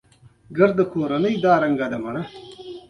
پولې یې له یوې لویې وچې اوښتې.